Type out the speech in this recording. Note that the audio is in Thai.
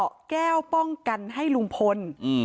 แก้วป้องกันให้ลุงพล